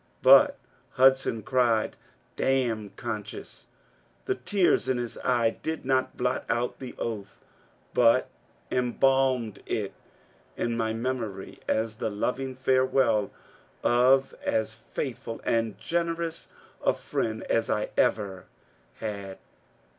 But Hudson cried, ^^ Damn conscience I *' The tear in his eye did not blot out the oath, but embalmed it in my memory as the loving farewell of as faithful and generous a friend as I ever had.